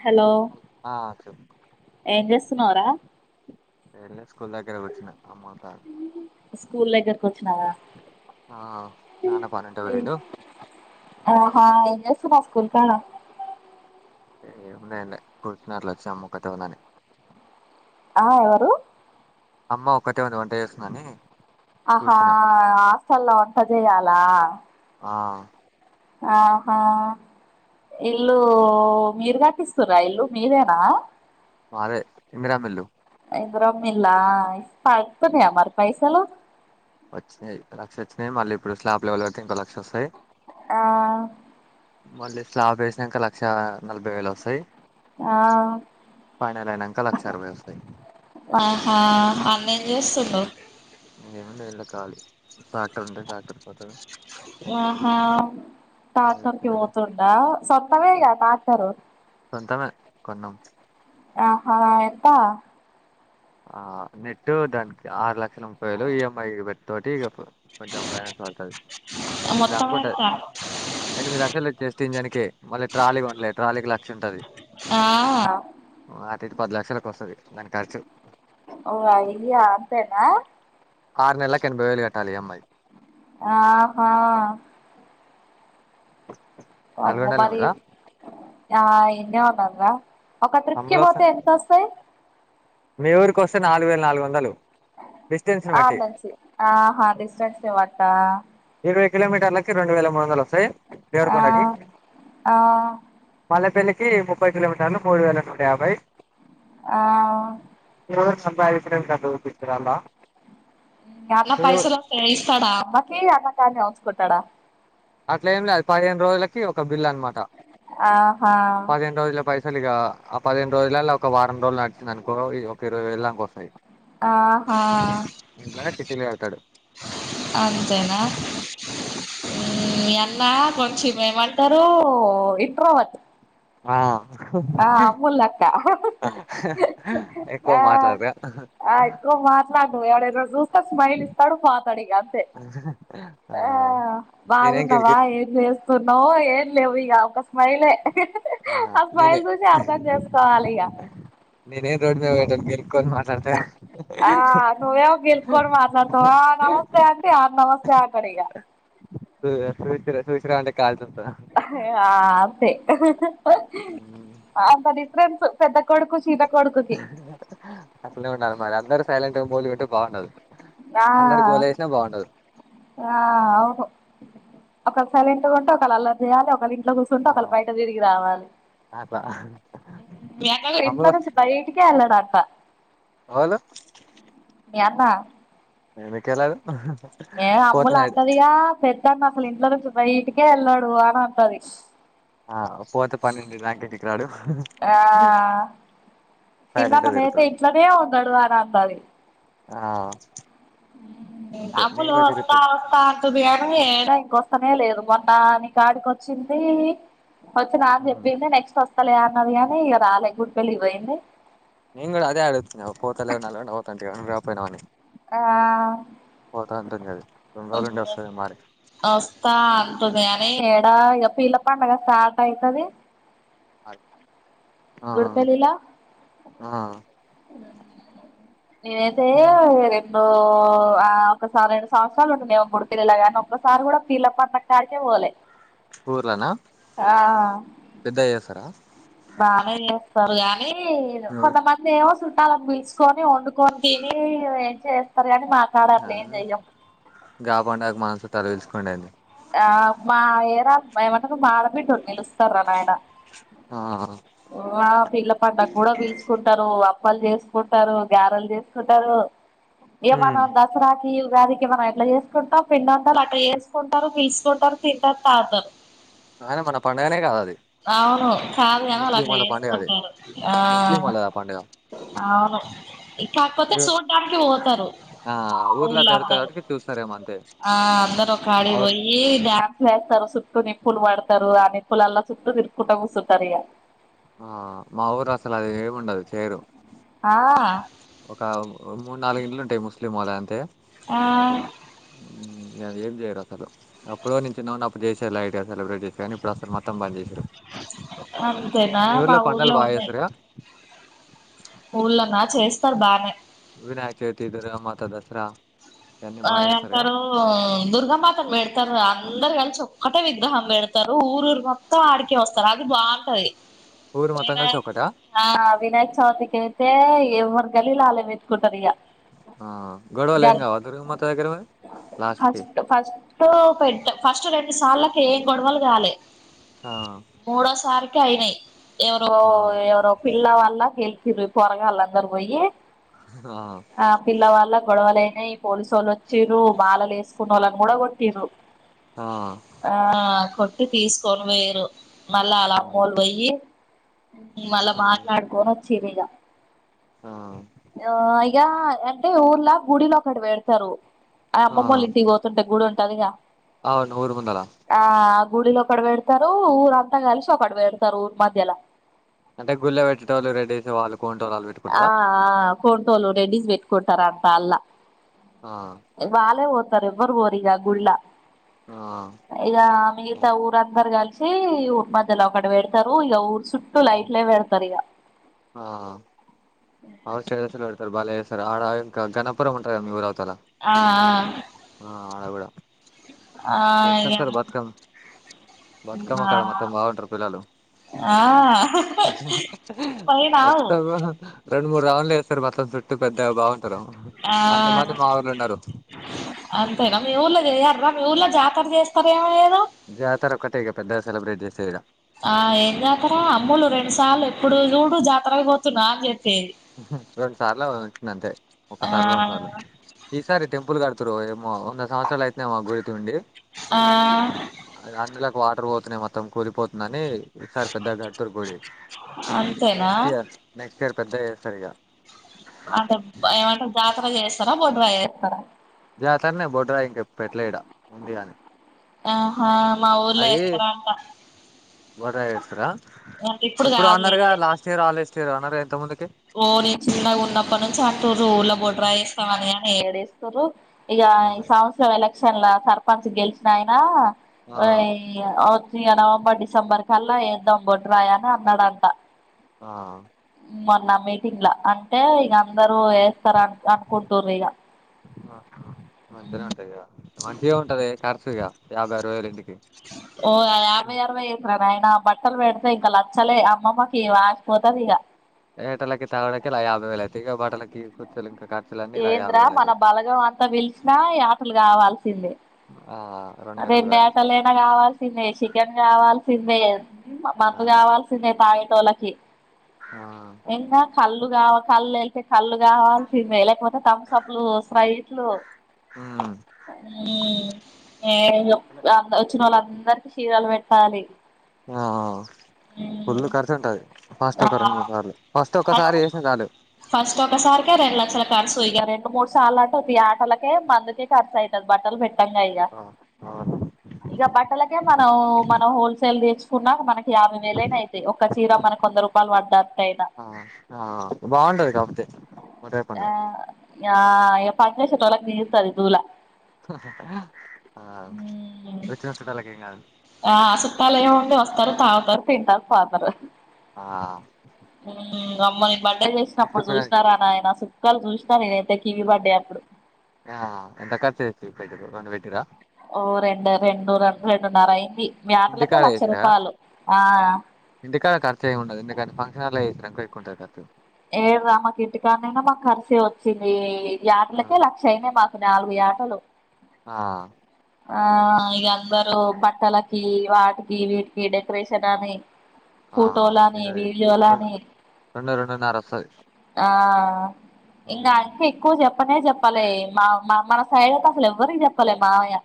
hello ఆ చెప్ ఏం చేస్తున్నావురా ఏంలేదు స్కూల్ దగ్గర కూర్చున అమ్మోతా స్కూల్ దగ్గరకు వచ్చినావా ఆ నాన్న పనుంటే పోయిండు ఆహా ఏం చేస్తునావ్ స్కూల్ కాడ ఏ ఏం లే లే కూర్చున్న అట్లా వచ్చి అమ్మ ఒక్కతే ఉందని ఆ ఎవరు అమ్మ ఒక్కతె ఉంది వంట చేస్తుందని ఆహా కూర్చున్నా హాస్టల్లో వంట చేయాల ఆ ఆహా ఇల్లు మీరు కట్టిస్తున్నార ఇల్లు మీదేన మాదే ఇందిరమ్మ ఇల్లు ఇందిరమ్మ ఇల్ల ఆ పడుతున్నాయా మరి పైసలు వచ్చినయ్ లక్ష వచ్చినయ్ మల్ల ఇప్పుడు స్లాబ్ లెవెల్ కడితే ఇంకో లక్ష వస్తయ్ ఆ మళ్ళీ స్లాప్ వేసినాక లక్ష నలభై వేలు వస్తాయి ఆ ఫైనల్అయినాకా లక్ష అరవై వస్తాయి ఆహా అన్న ఏం చేస్తుండు ఏం లేదు లే ఖాళీ ట్రాక్టర్ ఉంటె ట్రాక్టర్కి పోతాడు ఆహా ట్రాక్టర్ పోతుడ సొంతదేగ ట్రాక్టర్ సొంతమే కొన్నం ఆహా ఎంత ఆ నెట్టు దానికి ఆరు లక్షల ముపాయి వేళ్ళు ఈఎంఐ పెట్తోటి ఇగ కొంచెం ఫైనాన్స్ [unintelligible] ఎనిమిది మొత్తం [unintelligible] ఎంత ఎనిమిది లక్షలు జస్ట్ ఇంజన్ కి మళ్ళీ ట్రాలీ కొన్నలే ట్రాలీకి లక్ష ఉంటుది ఆ అట్టు ఇటు పది లక్షలలకు వస్తది దాని ఖర్చు ఓ [unintelligible] అంతేన ఆరు నెలకు [unintelligible] బైవేళ్ళు కట్టాలి ఈఎంఐ ఆహో అ నల్గొండలోనే మరి ఊరా ఆ ఇన్నే ఉన్నాగా ఒక త్రిప్కి అమ్ములు పోతే వస్తాను ఎంత వస్తుంది మీ ఊరికి వస్తే నాలుగు వేల నాలుగు వందలు డిస్టెన్స్ ని బట్టి ఆ ఆహా డిస్టన్స్ [unintelligible] ఇరవై కిలోమీటర్లకి రెండు వేల మూడు వందలు వస్తాయి ఆ దేరుకొండకి ఆ మల్లపల్లికి ముప్పై కిలోమీటర్లు మూడు వేల నూట యాభై ఆ ఏవరు సలభా అయితే అంత అపిస్తరా అన్న పైసలు వస్తే ఇస్తాడా అమ్మకి అన్న కాడనే ఉంచుకుంటాడా అట్లా ఏం లేదు పదిహేను రోజులకి ఒక బిల్ అనమాట ఆహా పదిహేను రోజుల పై అసలు ఇక ఆ పదిహేను రోజులలా ఒక వారం రోజులు నడుచందినుకో ఒక ఎరువయివెళ్ళు దాక వస్తయ్ ఆహా చిట్టీలు కడతాడు అంతేన మీ అన్న కొంచం ఏమంటారు ఇంట్రోవర్ట్ ఆ ఆ అ ములక్క ఎక్కువ ఆ మాట్లాడరా ఆ ఎక్కువ మాట్లాడు [unintelligible] యిన చూస్తే స్మైల్ ఇస్తాడు పాతాడిగాని ఆ బాగున్నావా [unintelligible] ఏం చేస్తావ్ ఏం లేవు ఇగ ఒక స్మైలే ఆ నేనే స్మైల్ చూసే అర్థం చేసుకోవాలి ఇగ నేను రోడ్ మీద పోయేటోడిని గెల్లుకుని మాట్లాడత ఆ నువ్వేమో గీరుక్కొని మాట్లాడతావ ఆ నమస్తే అంటే ఆ నమస్తే అంటాడు ఇగ [unintelligible] అంటె కాల్చి వస్తాదా ఆ అంతే అంత డిఫరెన్స్ పెద్ద కొడుకు చిన్ చిన్న కొడుకు అట్లనే ఉండాలి మరి అందరు సైలెంట్గా మోలిగా ఉంటే బాగుండదు ఆ అందరు గోల చేసినా బాగుండదు ఆ అవును అక్కడ సైలెంట్ గా ఉంటే ఒకరు అల్లరి చేయాలి ఒకరు ఇంట్లో కూస్ కొంటె ఆ ఒకళ బయట తిరిగి రావాలి అట్లా ఉ మీ అన్న గడు ఇంట్లో అమ్ములు నుంచి బై టికే వెళ్ళాడు అట ఒళ్ళు మీ అన్న ఎందుకు వెళ్ళాడు ఏ అమ్ములు అంటదిగా పెద్దాన్న అసలు ఇంట్లో నుంచే బయటికే వెళ్ళాడు అని అంటది ఆ పోతే పన్నెండి దాకా ఇంటికి రాడు సైలెంట్గా కిందననైతే తిరుగుతాడు ఇంట్లోనే ఉన్నాడు అని అన్నది ఆ ఉ అంతే నేను అమ్ములు కూడా తిరుగుత వస్తా తంట బియాను ఏడా ఇంకొస్తనే లేదు మొన్న ని కాడికొచ్చింది వచ్చి నా అని చెప్పింది నెక్స్ట్ వస్తలే అన్నది కాగాని ఇక రాలే గుడికేళ్లిి పోయింది నేను కూడా అదే అడుతున్నా పోతలేవు నల్గొండ పోతా అంటివిగా నువ్వే పోయినావా అని ఆ పోతా ఉంటుంది అది రెండు రోజులుండి వస్తుంది మరి వస్తా అంటుంది గాని ఏడా ఇగా పీర్ల పడుగ స్టార్ట్ అయితది ఆ గుడికెళ్ళా ఆ నేనైతే రేప్ ఉ ఆ ఒకసారి రెండు సంవత్సరాలు ఉంటుందిమ గుడి పిల్లలాగాని ఒకసారి కూడా పీర్ల పడుగా కాడికే పోలే ఊర్లోనా ఆ పెద్దగా చేస్తారా బానే చేస్తారు గానీ మీ ఊరు కొంతమంద్ దేమో చుట్టాలు పిలుచుకొని వండుకొని తిని చేస్తారు కాని మాక్ ఆ గాపండాకు మనము చుట్టాలు పీల్చుకుందెండి ఆ మా ఏరా ఏమంటకు మాడబిట్డు నిలుస్తారు రా నాయన ఆ ఓ ఆ పీర్ల పండగ కూడా పీల్చకుంటారు అప్పలు చేసుకుంటారు గారెలు చేసుకుంటారు ఇగా హ్మ్ మనం దసరాకి ఉగాదికి మనం ఎట్లా చేసుకుంటాం పిండి వంటలు అట్లా చేసుకున్ టారు విస్కోటర్ తింటారు తాగుతారు అయినా మన పండుగనే కాదు అది అవును కాదు కని అలా ముస్లిం అట్లా వాళ్ళ పండుగ అది చేసుకుంటరు ఆ ముస్లిం వాళ్ళది పండుగ అవును ఈ కాకపోతే చూడటానికి ఓతారు ఆ ఊర్లో జరుగుతది అందరూ కాబట్టి చూస్తారేమో అంతే ఆ ఒక మా కాడి ఊరు పోయి ఈ డాన్సులు ఏస్తారు సుట్టూ నిప్పులు వాడతారు ఆ నిప్పుల్ అల్లా సుట్టూ తిర్కుంటా కూసుంటారు ఇగా ఆ మా ఊరు అసలు అది ఏమిండదు చేరు ఆ ఒక మూడు నాలుగు ఇండ్లు ఉంటాయి ముస్లిం ఓలా అంతే ఆ అది ఏం చేయరు అసలు ఎప్పుడో నేను చిన్నగున్నప్పుడు చేసారులైట్గా సెలెబ్రేటిస్ చేసి కానీ ఇప్పుడు అసలు మొత్తం బంద్ చేసారు అంతేనా మా ఊర్లో బాగా ఉన్నాయి చేస్తారుగా ఊళ్ళోన్నా చేస్తారు బాగానే వినాయక చవితిది రా మొత్తం తెలుసురా ఆ ఎకారు దుర్గామాతను పెడతారు రా అందరు కలిసి ఒక్కటే విగ్రహం పెడతారు ఊరు ఊరు మొ మొత్తం ఆడికె వస్తారు అది బాగుంటది ఊరు మొత్తం కలిసి వినాయక ఒకట ఆ వినాయక్ చవితికి అయితే ఎవరి గల్లీల ఆలే పెటుకుంటరు ఇగా గోడవలెంగావా దుర్గా మాత దగ్గరమరి లాస్ట్కి ఫస్ట్ ఫస్ట్ పె ఫస్ట్ రెండు సార్లకి ఏం గొడవలు కాలే ఆ మూడో సారికి అయినాయి ఎవరొ ఆ ఎవరొ పిల్లవాల గేలికిర్ పొరగాళ్ళు అందరు పోయి ఆ ఆ పిల్లవాల్ళ గొడవలైనై పోలీసోళ్ళు వచ్చిరు మాలలు వేసుకున్న వాళ్ళని కూడా కొట్టిరు ఆ ఆ కొట్టి తీసుకొని పోయరు మళ్ళా అలా అమ్మోలు పోయి మళ్ళ మాట్లాడుకోని వచ్చిరిగా ఆ ఆ ఇగ అంటే ఊర్లా గుడిలో ఒక్కటి పెడతారు ఆ అమ్మమ్మోళ ఇంటికి వ టే గుడి ఉంటదిగా అవును ఊరు ముందల ఆ గుడిలో ఒకటి పెడతారు ఊరంతా కలిసి ఒక్కటి పెడతారు ఊరి మధ్యల అంటే గుళ్ళో పెట్టీలు రెడీస్ వాళ్ళు కొంటోళ్లు వాళ్ళు ఆ పెట్టుకుంటారా ఆ కోంటోలు రెడిస్ పెట్కుంటారంత అలా ఆ వాళ్ళే ఓతారు ఎవ్వరు పోరు ఆ గుళ్ళ ఆ ఇక మిగతా ఊరందరు కలిసి ఊరి మధ్యలో ఒక్కటి పెడతారు ఇక ఊరు చుట్ట ట్టు లైట్లలే పెడతారు ఇగ ఆ అ స్టేటస్లు పెడతారు భలేచేస్తారు ఆడ ఇంకా గణపురం ఉంటందిగా ఊరు అవతలా ఆ ఆ ఆ అడగుడ ఆ ఆ ఎట్లా వస్తారు ఇగ బతుకమ్మకి ఆ బతుకమ్మక్కడ మొత్తం బాగుంటరు పిల్లలు ఆ పోయినావు ఒత్తారు రెండు మూడు రౌండ్లు వేస్తారు మొత్తం చుట్టూ పెద్దగా బాగుంటారు ఆ అంతమంది మా ఊళ్ళో ఉండరు అంతేనా మీ ఊళ్ళ చేయరురా మీ ఊళ్ళో జాతర చేసేటోలు ఏమైయిల్లు జాతర ఒకటే ఇక పెద్ద సెలబ్రేట్ చేసేది ఇడ ఆ ఏం జాతర అమ్మోలు రెండు సార్లు ఎప్పుడు చూడు జాతరకి పోతున్నా అని చెప్పేది రెండు సార్లు పెంటీలు అంతే ఆ ఒకసారి రెండు సార్లు ఈసారి టెంపుల్ కడుతురో ఏమో వంద సంవత్సరాలు అయిదేమో గుడి ఉండి ఆ అ అందులోకి వాటర్ పోతున్నాయి మొత్తం కూలిపోతుందని ఈసారి పెద్ద గడ్తూరు గుడి అంతేనా నెక్స్ట్ ఇయర్ నెక్స్ట్ ఇయర్ పెద్దగ చేస్తారు ఇగ అంటే ఏమంటరు జాతర చేస్తారా బొడ్రాయి ఏస్తారా జాతరనే బొడ్రా ఇంక పెట్టలే ఇడా ఉంది కాని ఆహా మా ఊర్లో అది ఎస్తరంట బొడ్రాయి ఎస్తార అంటే ఇప్పుడు ఎప్పుడో అన్నారుగా కాదులే లాస్ట్ ఇయర్ ఆలోస్ట్ ఇయరో అన్నారుగ ఇంత ముందుకి ఓ నిను చిన్నగున్నప్పటి నుంచి అంటుర్రు ఊళ్ళ బొడ్రాయి వేస్తాం అని కాని ఏడేస్తుర్రు ఇగ ఆ ఈ సంవత్సరం ఎలక్షన్ల సర్పంచ్ గెలిచిన ఆయన ఆ ఇ ఇగ నవంబర్ డిసెంబర్ కల్లా వేద్దాం బొడ్రాయి అని అన్నాడంట ఆ మొన్న మీటింగ్ లా అంటే ఇగ అందరు వేస్తారు అనుకుంటురు ఇగ ఆహా మంచిగానే ఉంటాది ఇగా ఖర్చు ఇగా యాభై ఆరవై వేలు ఇంటికి ఓ యాభై అరవై ఏంట్రా నాయన బట్టలు పెడితే ఇంకా లచ్చలే అమ్మమ్మకి వచిపోతది ఇగా ఏటలకి తగుడుకే యాభై వేలై ఇగ బటలకి కర్చులన్ని ఇలా యాభై ఏంద్రా మన వేలయితై బలగం అంతా పిలిచినా యాటలు కావాల్సిందే ఆ రెండు ఏటలు కోయాల్ అంత కావాల్సిందే చికెన్ కావాల్సిందే మందు ఆ కావాల్సిందే తాగేటోలకి ఆ ఇంగ కళ్ళుగా కళ్లే కళ్ళు కావాల్సిందే లేకపోతే తంసపులు స్ప్రైట్లు ఏ అప్ వచ్చిన వాళ్ళు అందరికి చీరాలు పెట్టాలి ఆ ఆ పుల్లు ఖర్చు ఉంటది ఫస్ట్ ఆ ఒక రెండు మూడు సార్లు ఫస్ట్ ఒకసారి ఎస్తే చాలు ఫస్ట్ ఒకసారికే రెండు లక్షల ఖర్చు ఇగ రెండు మూడు సార్ల అంటే ద్ యటలకే మందుకే ఖర్చు అవుతది బట్టలు పెట్ టంగా ఇంగ ఆ ఇగ బట్టలకే మనం మనం హోల్సేల్ తెచ్చుకున్న మనక్ యాభై వేలైనా అయితయి ఒక చీర మనకు వంద రూపాయలు పడ్డట్టయినా ఆ బాగుంటది కాకపోతే బొడ్రాయి పండుగ ఆ ఇగ పనిచేసేటోళ్లకు తీరుతది దూల ఆ వచ్చిన చూట్టలకు ఏం కాదు ఆ చుట్టలు ఏముంది వస్తారు తాగుతారు తింటారు పోతారు ఆ మ్ అమ్మో నేను బర్త్డే చేసినప్పుడు ఎత్తుకునేది చూసినారా నాయనా సుక్కాలు చూసినా నేనైతే కివీ బర్త్డే అప్పుడు ఆ ఎంత కర్చు చే పెట్టిర్రు రెండు పెట్టిర్ర ఓ రెండు రెండు రెండు రెండున్నర యాటలకే ఇంటికాడ లక్ష రూపాయలు ఆ ఇంటీ కాడ ఖర్చు ఎం ఉండదు ఎందుకంటే ఫంక్షన్ హల్ లో చేసిల్లనుకో ఎక్కువుంటది ఖర్చు ఎం రా మాకు ఇంటికాన్నైనా మాకు కార్చే వచ్చింది యాటలకే లక్ క్షయ్నయ్ మాకు నాలుగు యాటలు ఆ ఆ ఇగ అందరు బట్టలకి వాటికి వీటికి డెకరేషన్ అని ఆ ఫోటోలాని ఇదే రెండు వీడియోలాని రెండు రెండున్నర వస్తది ఆ ఇంకా అంత ఎక్కువ చెప్పనే చెప్పలే మా మా మన సైడ్ అయితే అసలు ఎవ్వరికి చెప్పలే మామయ్య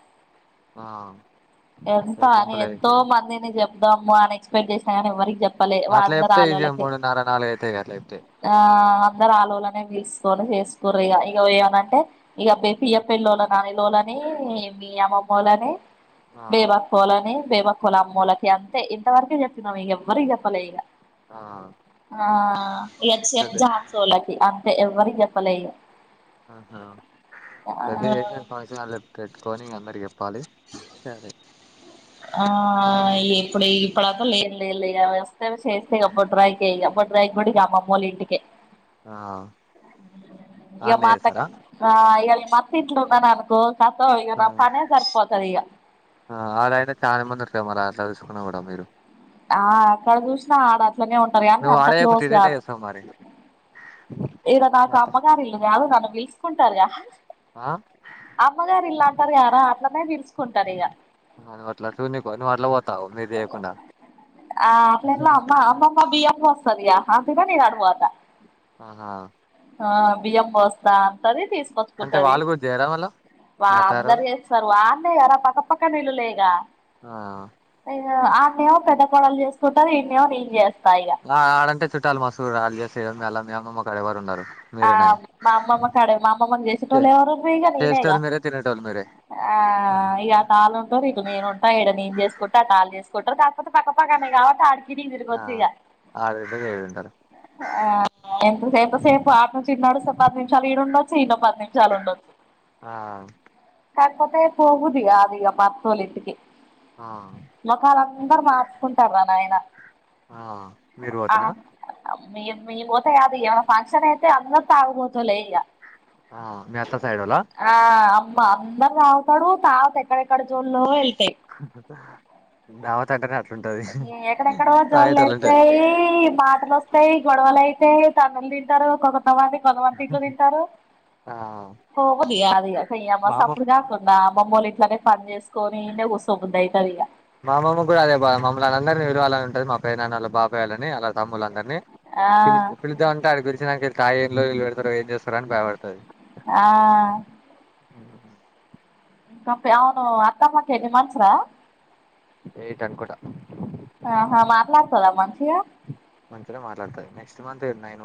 ఆ ఎంత అని సింపుల్ గా ఎంతో చేసిర్రు మందిని చెపుదాము అని ఎక్స్పెక్ట్ చేసిన కాని ఎవరికి చెప్ అట్లా చెప్తే ఇదిగ మూడున్నర నాలుగు అయితాయి అట్లా చెప్తె ఆ అందరు ఆలోలనే పిలుసుకొని చేసుకురు ఇగా ఏమన్నా అంటే ఇక బేపియ పెట్టిన నాని లోళని మీ అమ్మమ్మ వోళ్ళని ఆ బేబఅక్క అకోలనే బేబి అక్కొల అమ్మోలకి అంతే ఇంతవరకే చెప్పినం ఇగా ఎవ్వరికీ చెప్పలే ఇగా ఆ ఆ ఎక్స్ అదే ఎగ్జామ్ న్సోలకి అంతే ఎవ్వరికి చెప్పలే [unintelligible] పాసాగాలకి పెట్టుకొని అందరికి చెప్పాలి సరే ఆ ఏ ఇప్పుడు ఇప్పుడు అంత లేదు లేదు లే వస్తేవి చేస్తే [unintelligible] కూడా బొడ్రాయికి అమ్మమ్మళ్ళ ఇంటికే ఆ ట్ ఇగా ఆన్నే మాట్లాడు చేస్తారా ఆ అత్త ఇంట్లో ఉన్నాను అనుకో కతమె ఇక నాకు పనే సరిపోతుంది ఇగా ఆరు అయిన చాలా మంది ఉన్నారు గా మరి అట్లా చూసుకున్నా కూడా మీరు ఆ అక్కడ చూసినా ఆడ అట్లనే ఉంటారు కానీ అంత క్లోజ్ కాదు ఇంకా మరి ఇడ మీ నాకు అత్త అమ్మగారు ఇల్లు కాదు నన్ను పిలుసుకుంటారుగా ఆ అమ్మగారు ఇల్లా అంటారు గార అట్లనే పిలుసుకుంటారు ఇక అ అట్లా ఉండి మరి పని మాట్ల పోతావు మీరు చేయకుండా ఆ అట్లాటా అమ్మ అమ్మామ్మా బియ్యం పోస్తదిగా అందుకే నేను అటు పోతా ఆహా ఆ బియ్యం పోస్తా అంటాది అంటే తీసుకోచుకుంటది వాళ్ళు కూడా చేయరా మళ్ళ మీ వామ్మో అత్తగారు వాళ్ళు గటా చేస్తారు అనేగా రా పక్కపక్క ఇల్లు లేగా ఆ ఆనేమో పెద్ద కొడలు చేసుకుంటది ఇన్నేమో నేను చేస్తా ఆ ఆడంటే చుట్టాలు మస్తు ఉన్నారు ఆలు చేస్తారు మీ అమ్మమ్మ కాడ ఎవ్వరూండారూ ఆ మా అమ్మమ్మ కాడ మా అమ్మమ్మకి చేసే చేసేటోళ్లు ఎవరు ఉన్నారు ఈగ నేనేగ తినేటోళ్లు మీరే ఆ ఇగా మాలున్ ఇటు నేను ఉంటా ఇక్కడ నే చేసుంట అటు ఆళ్ళు చేసుకుంటారు కాకపోతే పక్కపక్క నేయి కాబట్టి ఆ ఆ ఆడుంటరు ఈడుంటరు ఆ ఎంత సెప్ సేపు పాపం చిన్నోడు పది నిమిషాలు ఈడ ఉండొచ్చు ఇన్నో పది నిమిషాలు ఉండొచ్చు ఆ కాకపోతే పోబుద్ధి కాది గా మా అత్తొలి ఇంటికి ఆ మోకాలు అందరు మార్చుకుంటారు నాయన ఆ మీరు పోతరా మీ మీ పోతే కాదు ఇడా ఫంక్షన్ అయితే అందరూ తాగుబోతులే ఇక ఆ మీ అత్త సైడోళ్ళ ఆ అమ్మ అందరు తాగుతారు తారువాత ఎక్కడెక్కడ జోన్లో వెళ్తాయి [inaudible] దావత్ అంటనే అట్లుంటాది ఎక్కడెక్కడో జోళ వెళ్తాయి మాటలు వస్త అయితాయి గొడవల్ అయితయీ తనులు తింటారు ఒక్కోక్క ది కొవంతలో దంటారు ఆ పో దద స మా అమ్మ మప్పుడు కా [unintelligible] వాళ ఇట్లానే పని చేసుకొని [unintelligible] అవుతుంది మా అమమ్మ కూడా అదే బాధ మమ్మలందరినీ విలావాలని ఉంటది మా పేదానాన్ననోళ్ల బాబాయోళ్ళని అల తమ్ములందరినీ ఆ పిలి పిలిదామంటే అడికి పలిసినక్కా ఈళ్ళు తాగి లొల్లిళ్లు పెడతారేమో ఎంజేస్తారో అని భయమైతది ఆ [unintelligible] అవును అత్తమ్మకి ని ఎన్ని మన్సర ఎయిట్ అనుకుంటా ఆహా మాట్లాడుతద మంచిగ మంచిగా మాట్లాతాది నెక్స్ట్ మంత్ ఏ నైను [unintelligible]